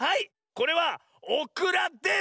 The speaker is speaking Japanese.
これはオクラです！